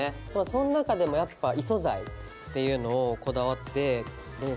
その中でもやっぱ異素材っていうのをこだわってレース。